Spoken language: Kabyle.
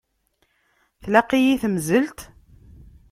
Tlaq-iyi temzelt?